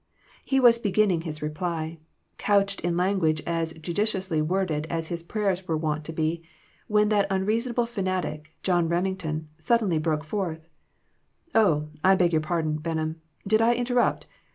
He was beginning his reply, couched in language as judiciously worded as his prayers were wont to be, when that uureasonable fanatic, John Reming ton, suddenly broke forth " Oh, I beg your pardon, Benham ; did I inter rupt